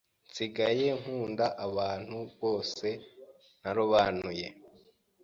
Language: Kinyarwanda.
nsigaye nkunda abantu bose ntarobanuye